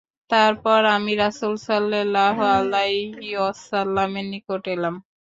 তারপর আমি রাসূল সাল্লাল্লাহু আলাইহি ওয়াসাল্লামের নিকট এলাম।